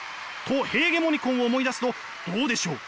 ト・ヘーゲモニコンを思い出すとどうでしょう？